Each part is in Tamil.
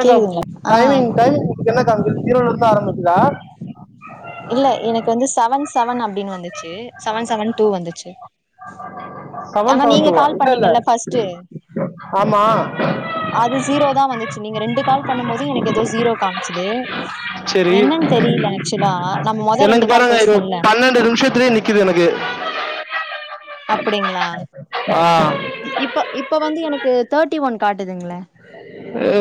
ஒட்டகம் கேக்குதுங்களா ஆ டைமிங் டைமிங் என்னக்கா வருது ஜிரோல்லே இருந்து ஆரம்பிக்குதா இல்ல எனக்கு வந்து சவன்ஸ் செவன் அப்படின்னு வந்துச்சு செவன் செவன் டூ வந்துச்சு அ [unintelligible] ஆனா நீங்க கால் பண்ணீங்கள்ள பஸ்ட் ஆமா அது ஜிரோதா வந்துச்சு நீங்க ரெண்டு கால் பண்ணும் போது எனக்கு ஏதோ ஜிரோ காமிச்சது சரி என்னன்னு தெரியல ஆக்சுவலா நா முதல் ரெண்டு எனக்கு கால் பாருங்க இது பேசுனோல்ல பன்னெண்டு நிமிஷத்துலயே நிக்குது எனக்கு அப்படிங்களா ஆ இப்ப இப்ப வந்து எனக்கு தேர்ட்டி ஒன் காட்டுதுங்களே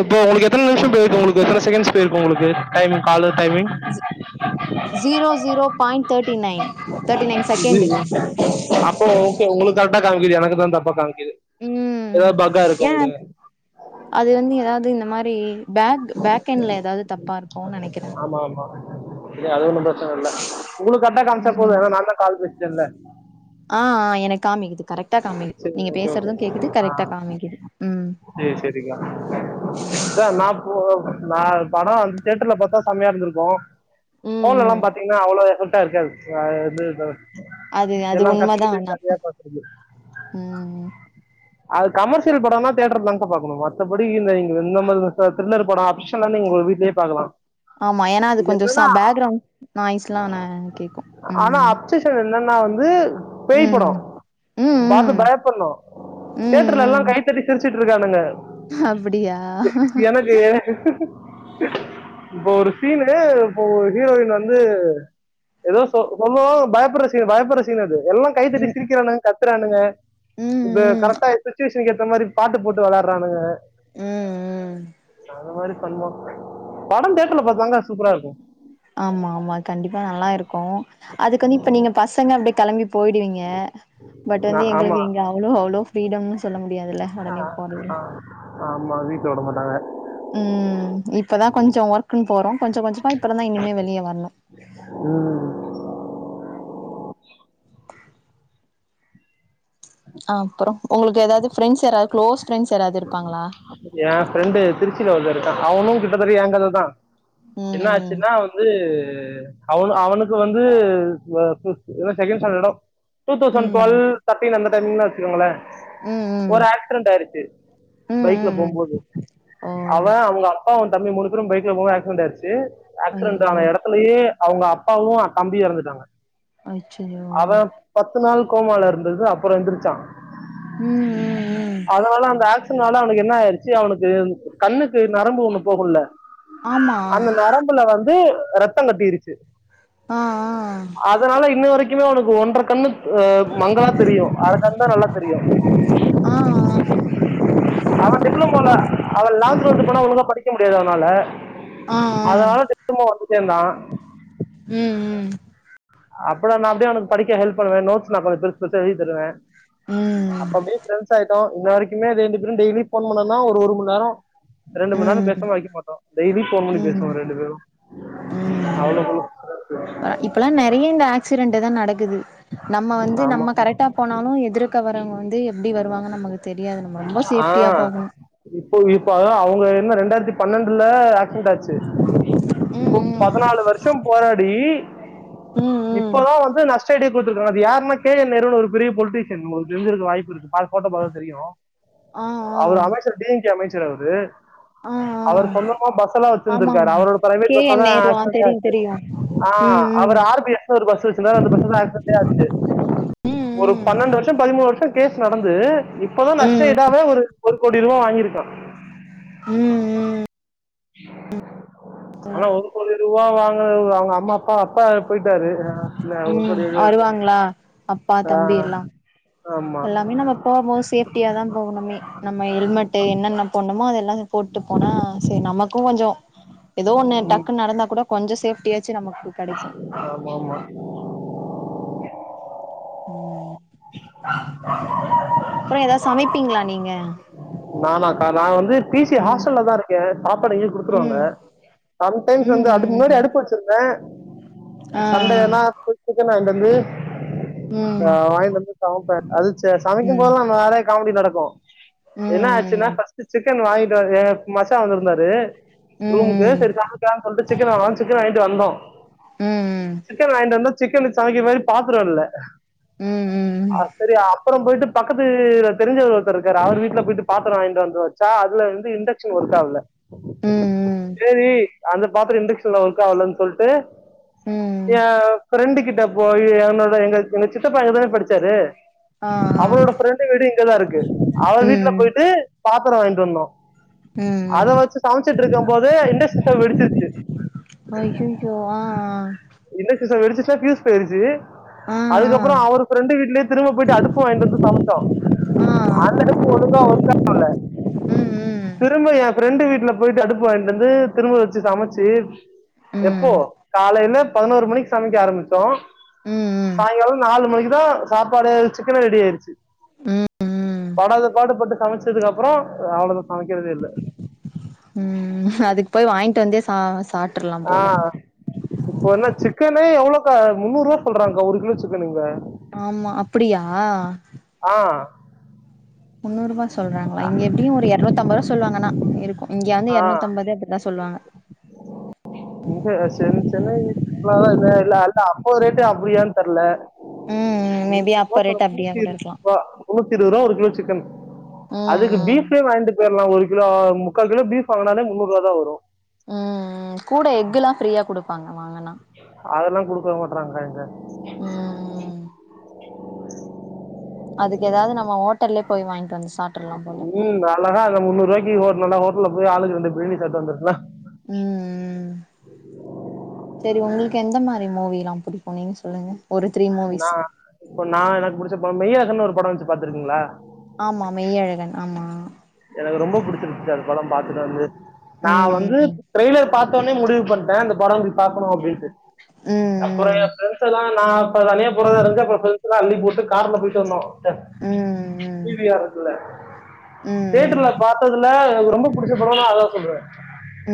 இப்போ உங்களுக்கு எத்தனை நிமிஷம் போயிருக்கு உங்களுக்கு எத்தனை செகண்ட்ஸ் போயிருக்கும் உங்களுக்கு டைம் கால timing zero zero point thirty nine thirty nine ஜி செகண்ட் அப்போ உங்களுக்கு கரக்ட்டா காமிக்குது எனக்கு தான் தப்பா காமிக்குது உம் ஏதாவது பக்கா இருக்கும் ஏன் உங்களுக்கு அது வந்து ஏதாவது இந்த மாதிரி பேக் பேக் எண்ட்ல ஏதாவது தப்பா இருக்கு ஆமா ஆமா இது அது ஒ பிரச்சனை இல்ல உங்களுக்கு கரைக்ட்டா காமிச்சா போது நான் தான் கால் பேசுறன் இல்ல இல்ல ஆஹ் ஆஹ் எனக்கு காமிக்குது கரெக்டா காமக்குது சரி நீங்க ஓகே ஓகே பேசுறதும் கேக்குது கரெக்டா காமக்குது உம் சரி சரிக்கா உம் சார் நான் போ நான் படம் வந்து தேட்ருல்ல பாத்தா செம்மையா இருந்திருக்கும் ம் போன்ல ம் எல்லாம் பாத்தீங்கன்னா அவ்ளவு இருக்காது எது அது அது உண்ம தான் ஆனா பாக்குறது உம் அது கமர்சியல் படம்ன்னா தேட்டர்லதாங்கா பாக்கணும் மத்தபடி இந்த இந்தந்த மாரி தில்லர் படம் ஆக்ஷன் நீங்க வீட்லயே பாக்கலாம் ஆமா ஏன்னா அது கொஞ்சம் ச பேக்கிரவுண்ட் நாய்ஸ் எல்லாம் நா கேக்கும் ஆனா அப்சஷன் என்னன்னா வந்து பேய் படம் ம் பார்த்து ம் பயப்படனும் ம் தேட்டர்ல ம் எல்லாம் கைத்தட்டி சிரிச்சு சிரிச்சுட்டு இருக்கானுங்க அப்டியா எனக்கு உஷ்உ [inaudible] இப்போ ஒரு சீனு இப்போ ஒரு ஹீரோயின் வந்து ஏதோ சொ சொன்னோம் பயப்படுற சீன் பயப்படுற சீன் அது எல்லாம் கைத்தட்டி ம் சிரிக்கராணுங்க ராணுங்க ம் ம் ம் கரெட்ட சுச்சுவேஷனுக்கு ஏற்ற மாரி பாட்டு போட்டு வி ளயாடுறானுங்க உம் உம் அந்த மாதிரி பண்ணுவா படம் திரேட்டர் பார்த்தாங்கா சூப்பரா இருக்கும் ஆமா ஆமா கண்டிப்பா நல்லா இருக்கும் அதுக்கு வந்து இப்ப நீங்க பசங்க அப்டே கிளம்பி போயிடுவீங்க ஏ பட் வந்து நான் ஆமா எங்களுக்கு இங்க அவ்ளோ அவ்வளோ ஃரீடம்னு சொல்ல முடியாதுல்ல உடனே போறது ஆங்கர் [unintelligible] உம் இப்பதான் கொஞ்ச ஒர்க்குன்னு போறோம் கொஞ்ச கொஞ்சமா இப்பருந்துதான் இனிமே வெளியே வரணும் ஆ ஆ அப்பறம் உங்களுக்கு ஏதாவது பிரேண்ஸ் யாரது க்ளோஸ் பி ரேண்ஸ் யாராவது இருப்பாங்களா என் ஃப்ரெண்டு திருச்சியில ஒருத்தன் அவனும் கிட்டத்தட்ட எங்கததான் ம் என்னாச்சுன்னா வந்து அவ அவனுக்கு வந்துக் ஆஹ் செகண்ட் ஸ்டாண்டர்டோ டூதவ்சன் டூவல் ம் தட்டின் அந்த டைன் வச்சக்கோங்களே ம் ம் ஒரு ஆக்சிடெண்டு ஆயிடுச்சு ம் ம் பைக்ல ம் போகும்போது ம் ஓ அவன் அவங்க அப்பா வந்து தம்பி மூணு பேரும் பைக்ல போக ஆக்சிடெண்டு ஆயிடுச்சு ஆக்சிடெண்டு ஐயோ ஆன இடத்துலயே அவங்க அப்பாவும் தம்பியும் இறந்துட்டாங்க அச்சச்சோ அவன் பத்து நாள் கோமால இருந்தது அப்பறம் எந்திரு ச்சான் ம் ம் ம் அதனால அந்த ஆக் னால அவனுக்கு என்ன ஆயிடுச்சு அவனுக்கு கண்ணுக்கு நரம்பு ஒண்ணு போகும்ல ஆமா அந்த நரம்புல வந்து ரத்தம் கட்டிருச்சு ஆஹ் ஆஹ் உனக்கு ஒன்ற கண்ணு ஆஹ் மங்களா தெரியும் அறக்கண் தான் நல்லா தெரியும் ஆ அவன் டிப்ளமோல அவள் லெவன்த் டுவல்த் போனா ஒழுங்கா படிக்க முடியாது அவனால ஆ ஆ ஆ ஆ அதனால திட்டமா வந்துட்டேந்தான் ம் ம் [unintelligible] க்கு படிக்க ஹெப் பண்ணுவன் நோடஸ் நான் கொஞ்சம் பெருச் பெருசா எழுதிதருவேன் அப்ப ம் அப்பிடியே பிரெண்ட்ஸ் ஆயிட்டோம் இன்ன வரைக்குமே ரெண்டு பேரும் டெய்லி போன் பண்ணா ஒரு மண்நேரோம் ரெண்டு மணி நேரோம் ம் பேசாம வைக்க மாட்டோம் டெய்லி போன் மணி ம் பேசுவோம் ரெண்டு பேரும் ம் ம் அவ்ளோ க்குது நம்ம வந்து ஆமா நம்ம ஆமா கரெக்டா போனாலும் எதிர்க வரவங்க வந்து எப்படி வருவாங்கன்னு நமக்கு தெரியாது நம்ம ரொம்ப ஆ சேஃப்டியா போகணும் இப்போ இப்போ அதா அவங்க ரெண்டாயிரத்தி பன்னெண்டு ஆக்சிடெட் ஆச்சு பதினாலு வருஷம் போராடி ம் ம் இப்பதான் வந்து நஷ்டயிடு அது யருன கே என் நே ஒரு பெரிய பொலிட்டீஷியன் உங்ளுக்கு தெருஞ்சிருக்க வாய்ப்பு இருக்கு பா போட்ட ப தெரியும் ஆ ஆ அவர் அமைச்சர் டி எம் கே அமைச்சர் [unintelligible] ஆ அவர் ஆ சொந்தமா பஸ் எல்லாம் ஆமா வச்சிருந்திருக்கரு ஆமா அவரோட பிரைவேட் கே பஸ் என் தான் நேரு ஆ ஆக்சிடென்ட் தெரியு ஆச்சு தெரியு ஆஹ் ம் அவர் ஆர் பி எஸ் ஒரு பஸ் வச்ச அந்த ப ம் ஒரு ம் பன்னெண்டு வருஷம் பதிமூணு வருஷம் கேஸ் நடந்து இப்பதான் நஷ்டம் ம் இடாவே ஒரு கோடி ரூபா வாங்கிருக்கு [inaudible] உம் உம் [inaudible] ஆனா ஒரு கோடி ரூபா வாங்க அவங்க அம்மா அப்பா அப்பா போயிட்டாரு ஆ, இல்ல ஒரு உம் கோடி ரூபா சரி. வருவாங்களா அப்பா ஆ, தம்பி எல்லாம் ஆமா எல்லாமே நம்ம போகும் போது சேஃப்டியாதான் போகணுமே நம்ம ஹெல்மெட் என்னென்ன போண்ணுமோ அதெல்லாம் போட்டுட்டு போனா சரி நமக்கு கொஞ்சம் ஏதோ ஒன்று ம், டக்கு நடந்தா கூட கொஞ்ச சேஃப் ஆமா ஆமா உம் அப்புறம் ஏதா சமைப்பீங்களா நீங்க நானாக்கா நான் வந்து பிசி ம் ஹாஸ்டல்ல தான் இருக்கேன் சாப்பாடு இங்கய குடுத்துருவாங்க ம் சம்டைம்ஸ் வந்து அதுக்கு ம் முன்னாடி ம் அடுப்பு வச்சிருந்தேன் ம் ஆ ஆ சண்டேனா குக்க [unintelligible] வ [unintelligible] ம் ஆஹ வாங்கிட்டு வந்து சா அது சரி சமைக்கும் ம் ம் போகலாம் வேற [unintelligible] காமெடி நடக்கும் என்ன ஆச்சுன்னா ம் பஸ்டு சிக்கன் வாங்கிட் என் மசா வந்திருந்தாரு [unintelligible] ரூமுக்கு சேரி சமைக்கலாம் சொல்லிட்டு சிக்கன் வாங்கலாம் சிக்கன் வாங்கிட்டு வந்தோம் ம் ம் சிக்கன் வாங்கிட்டு வந்தோம் சிக்கன் சமைக்கிற மாரி பாத்ரம் இல்ல ம் ஆ செரி அப்புறம் போயிட்டு பக்கத்துல தெரிஞ்சவர் ஒருத்தர் இருக்காரு அவர் வீட்ல போயிட்டு பாத்ரம் வாங்கிட்டு வந்து வச்சா அதுலவந்து இண்டக்ஷன் ஒர்க் ஆகல ம் ம் சேரி அந்த பாத்ரம் இண்டக்ஷன்ல ஒர்க் ஆகலன்னு சொல்லிட்டு ம் ஏ பிரெண்டு கிட் போயி என்னோட எங்க எங்க சித்தப்பா அங்க தானே படிச்சாரு ஆ ஆ அவுரோட பிரண்டு வீடு இங்கதான் இருக்கு அவர் வீட்ல ம் போயிட்டு பாத் த்ரம் வாயிட்டுவந்தோம் அத ம் வச்சு சமைச்சுட்டு இருக்கும் போதே இண்டக்ஷன் ஸ்டவ் வெடிச்சிருச்சு அய்யய்யோ ஆ இண்டக்ஷன் ஸ்டவ் வெடிச்சி பியூஸ் போயிடுச்சு ஆ ஆ ஆ அதுக்கப்புறம் அவரு பிரண்டு வீட்லயே திரும்ப போயிட்டு அடுப்பு வாங்கிட்டு வந்து சமைச்சோம் ஆ அந்த அடுப்பு ஒ ஒர்க்காவுல ம் திரும்ப ஏன் பிரண்டு வீட்ல போயிட்டு அடுப்பு வாங்கிட்டுவந்து திரும்ப வச்சு சமைச்சு ம் ம் எப்போ காலையில பதினோரு மணிக்கு சமைக்க ஆரம்பிச் சோம் ம் ம் சாய்ங்காலம் நாலு மணிக்கு லாம் சாப்பாடே சிக்கன் ரெடி ஆயிடுச்சு உம் உம் அனதர் பாடு பட்டு சமைச்சதுக்கு அப்புறம் அவ்வளவுதா சமைக்கிறதே இல்லை அதுக்கு போய் வாங்கிட்டு வந்தே சா சா சாப்ட் ஆஹ் இப்போ என்ன சிக்கனு எவ்வளவு முன்னூறு ரூபா சொல்றாங்க ஒரு கிலோ சிக்கன் இங்க ஆமா அப்படியா ஆஹ் முன்னூறுபா சொல்றாங்களா இங்க எப்படியும் ஒரு இரநூறு இருபத்தம்பது ரூபா சொவாங்கன்னா இருக்கும் ஆஹ் செ சென்னை என் [unintelligible] இப்ப ரேட்டு அப்படியான்னு தெரல ம் ம் மேபி சும்மா அப்ப சொல்ற ரேட் அப்டியா பூட்டி கூட இருக்கலா இருக்குப்பா இருபது ரூபா ஒரு கிலோ சிக்கன் ம் அதுக்கு ம் ம் ஃபீப்பே வாங்கிட்டு போயிறலாம் ஒரு கி கிலோ முப் முக்கால் கிலோ ஃபீப் வாங்னாலே முந்நூறு ரூபாதா வரும் உம் உம் கூட ஃஎக்கு எலாம் ப்ரீயா குடுப்பாங்க வாங்கனா அதல்லாம் குடுக்க மாட்டறாங்க இங்க உஹம் உம் [inaudible] அதுக்கு ஏதாது நம்ம ஓட்டல்லே போய் வாங்கிட்டு வந்து சாப்ட்றலாம் போல ம் அழகா அந்த முந்நூறு ரூபாய்க்கு ஒரு நல்லா ஹோட்டல்ல போய் ஆலுக்கு ரெண்டு பிரியானி சாப்டுட்டு வந்துருட்டா உம் உம் சரி உங்களுக்கு எந்த மாரி மூவிலாம் பிடிக்கும் நீங்கள் சொல்லுங்கள் நான் இப்ப நான் எனக்கு புடிச்ச மூவி மெய்யழகன் ஓரு படம் வந்துச்சு பாத்துருக்கீங்களா ஆமா மெய்யழகன் ஆமா எனக்கு ரொம்ப பிடிச்சிருச்சு அந்த படம் பாத்துட்டு வந்து நான் வந்து ம் ட்ரெய்லர் பாத் உடனே முடிவு பண்ணிட்டேன் அந்த படம் பாக்கணும் அப்டின்ட்டு அப்பறம் ம் ம் என் ப்ரண்ட்ஸ் எல்லாம் நான் தனியா போறதா இருதுச்சு அப்பற ப்ரண்ட்ஸ் எல்லாம் அள்ளி போட்டு கார்ல போயிட்டு வந்தோம் இந்த ம் தூய்மையா இருக்குல ம் ம் தேட்டர்ல பாத்ததுல எனக்கு ரொம்ப பிடிச்ச படம்னா அதான் சொல்லுவேன் ம்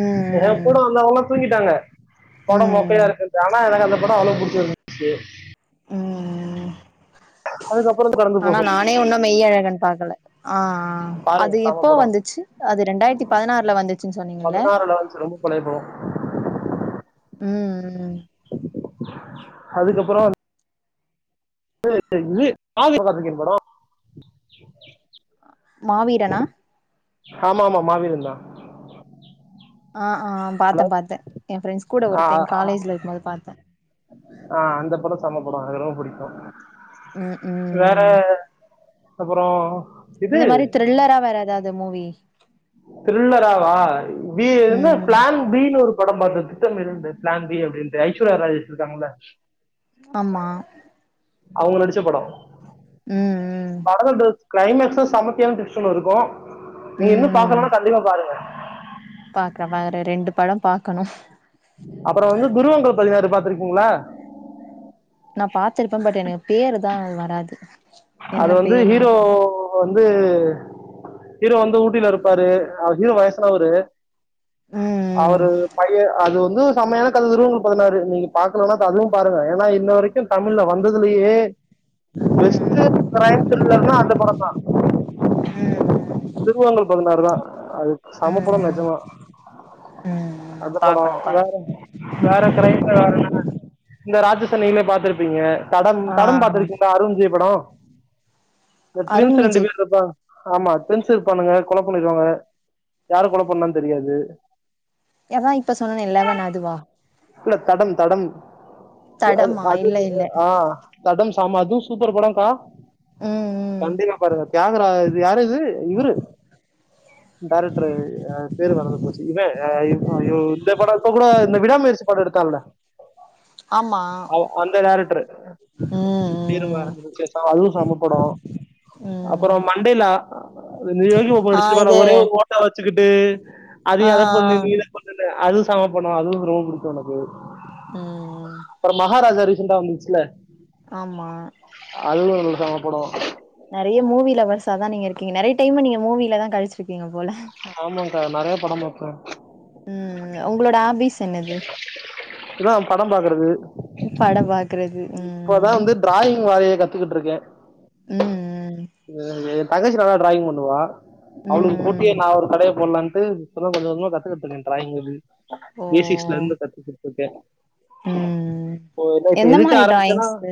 எங்கூட ம் வந்தவங்கா தூங்கிட்டாங்க படம் மொக்கயா ம் இருக்கு ஆனா எனக்கு அந்த கூட அவ்ளோ பிடிச்சுருந்துசு ம் அதுக்கப்புறம் கடந்து ஆனா போகும் நானே உன்னும் மெய்யழகன் பாக்கல ஆஹ்அஹ் அது பாருங்க சாம எப்போ வந்துச்சு அது ரெண்டாயிரத்தி பதினாறுல வந்துச்சு பதினாறு லாஞ்சு ரொம்ப பழய படம் ம் ம் [inaudible] அதுக்கப்பறம் ச இது காது சிவகாத்திக்கேயன் படம் மாவீரனா ஆமா ஆமா மாவீரந்தான் ஆஹ ஆ பார்த்தேன் பாத்தேன் என் ஃப்ரெண்ட்ஸ் கூட ஒரு டைம் காலேஜ்ல இருக்கும்போது பார்த்தேன் ஆஹ் அந்த படம் செமப்படம் அது ரொம்ப புடிக்கும் ம் ம் வேற ம் அப்புறம் இது இந்த மாரி த்ரில்லரா வராது ஏதாவது மூவி த்ரில்லராவா பிஎன்ன ம் பிளான் பின்னு ஒரு படம் திட்டம் இரண்டு பிளான்பி அப்பிடின்ட்டு ஐஸ்வர்யா ராஜேஷ் இருக்காங்களா ஆமா அவுங்க நடிச்ச படம் ம் ம் படத்தேடது கிளைமேக்ஸ் தான் சமத்தியான டூவ்ஸ் ஓன்னு இருக்கும் நீங்க இன்னும் பாக்கலனா கண்டிப்பா பாருங்க பாக்கிறேன் பாக்கிறே ரெண்டு படம் பாக்கணும் இருக்குங்களா நான் பாத்திருப்பேன் பட் எனக்கு பேரு தான் வராது என்ன அது வந்து பேருன்னு ஹீரோ தெரியு வந்து ஹீரோ வந்து ஊட்டில இருப்பாரு ஹீரோ வயசுனவரு ம் அவரு பையன் அது வந்து செம்மையான கத துருவோம் பதினாரு நீங்க பாக்கலனா அதுவும் பாருங்க ஏன்னா இன்ன வரைக்கும் தமிழ்ல வந்ததுலயே பஸ் சார் கிரரைம் த்ரில்லர்னா அந்த படம் தான் ம் துருவங்கல் பதினாறு தான் அது செமப்படம் ம் நெஞ்சமா ம் அந்த படம் பாக்கணு வேற பாக்கணு வேற கிரம்ல வேற இந்த ராஜசன்னையுமே பார்த்திருப்பீங்க தடம் ஆ தடம் பார்த்திருக்கீங்களா அருண் விஜய்ப்படம் [inaudible] இந்த அருண் ட்வின்ஸ் ரெண்டு விஜய் பேர் இருப்பா ஆமா ட்வின்ஸ்இருபண்ணுங்க கொலை பண்ணிருவாங்க யார் கொலை பண்ணுனானு தெரியாது அதான் இப்ப சொன்னும்னு எல்லாமே அதுவா இல்ல தடம் தடம் தடமா அது இல்ல இல்ல ஆஹ் தடம் ஆமா அதுவும் சூப்பர் படாக்கா ம் ம் கண்டிப்பா பாருங்க தியாகரா இது யாரு இது இவரு டைரக்டரு பேரு மறந்து போச்சு இவ இந்த படம் இப்ப கூட விடாமுயற்சி படம் எடுத்தால ஆமா அந்த டைரக்டரு ம் பேர் ம் ம் மறந்து போச்சு அதுவும் சமப்படும் ம் அப்புறம் மண்டேலா யோகிபாபு ஆ நடிச்சப்ப இது ஒரே ஓட்டச்ச செக்கடை அது ஆ அததை பண்ணு நீ இத பண்ணு அது ச பனும் அது ரொம்பக்கும் எனக்கு உஹம் அப்புறம் மகாராஜா ரீசன்ண்டா வந்துச்சுல ஆமா அதுவும் ஹிட்டான படம் தான் நீங்க இருக்கீங்க நிறைய டைம் நீங்க மூவியில தான் கழுச்சிருக்கீங்க போல ஆமாங்கக்கா நிறைய படம் பார்ப்பேன் உம் உங்களோட ஆபிச தன்னது இததான் படம் பாக்குறது படம் பாக்குறது இப்பதான் ம் வந்து டிராயிங் வாரிய கத் கத்துக்கிட்டு இருக்கேன் உம் உம் வே தங்கச்சி நல்லா டிராயிங் பண்ணுவா ம் அவளுக்கு ம் போட்டியே நான் அவர் கடையை போடலனு சொன்ன கொஞ்ச கொஞ்சமாக கத்துக்க சொல்லி ருக்கேன்டிராயிங் த ஓ பேசிக்ஸ்ல இருந்து கத்துக்கு ஓகே ம் இப்ப எந்த எதுக்க மாரி ஆரம்பிச்சேன்னா டிராயிங்ஸ்ஸு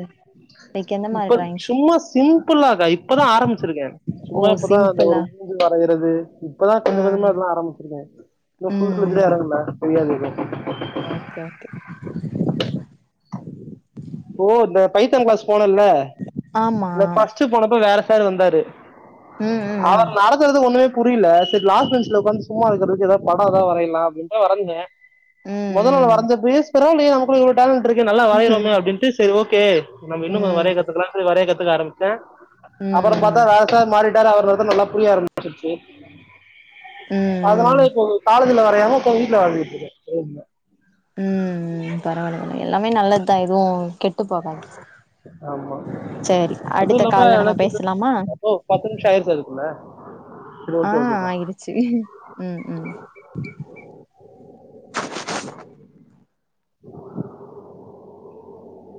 லைக் எந்த மாரி இப்ப டிராயிங்ஸ் சும்மா சிம்பிளாக்கா இப்ப இப்பதான் ஆரம்பிச்சிருக்கேன் ஓ சும்மா இப்பதான் இந்த ஒரு சிம்பிளா மூஞ்சு வரையிறது இப்பதான் கொஞ்ச ஆ கொஞ்சம் அதல்லாம் ஆரம்பிச்சிருக்கேன் இ பல்்ே ம் இற இல்ல தெரியாது [unintelligible] ஓகே ஓகே இப்போ இந்த பைத்தன் கிளாஸ் போனல்ல ஆமா இந்த பஸ்ட்டு போனப்ப வேற சாரு வந்தாரு ம் ம் அவர் நடத்துறது ஒண்ணுமே புரியல சரி லாஸ்ட் பென்ச்ல உக்காந்து சும்மா இருக்கறதுக்கு படம் இதான் வரஞ்சேன் அ வேன் முத நாள் வ ம் பேற [unintelligible] டேலண்டு இருக்கு நல்லா ம் வரையுரோமே ம் அப்டின்டு செரி ஓகே நம் இன்னும் கொஞ்சம் வரைய ம் கத்துக்கலாம் வரைய கத்து [unintelligible] ம் அவர் மத ம் விவசாயம் மாறிட்டாரு [unintelligible] ப்பநல்லா புரியா ஆரம்பிச்சுருச்சு அதனால ம் இப்போ காலேஜ்ல வரயாம இப்ப வீட்ல வரஞ்சிட்டு இருக்கு [unintelligible] உம் உம்பரவால்ல எல்லாமே நல்லது தான் எதுவும் கெ ஆமா சேரி அதும் அடுத்த இல்லாம கால்ல நம்ம எனக்கு பேசலாமா ஓ பத்து நிமிஷம் ஆயிருச்சா அதுக்குல்ல ஆஹ ஆயிடுச்சு உம் உம் [inaudible]